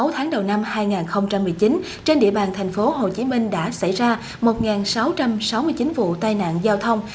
sáu tháng đầu năm hai nghìn một mươi chín trên địa bàn thành phố hồ chí minh đã xảy ra một sáu trăm sáu mươi chín vụ tai nạn giao thông